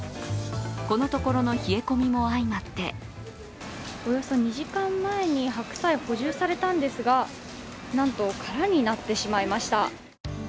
このところの冷え込みもあいまっておよそ２時間前に白菜、補充されたんですが、なんと空になってしまいました。